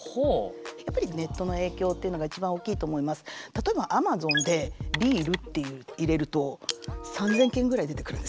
例えばアマゾンでビールって入れると３，０００件ぐらい出てくるんですよね。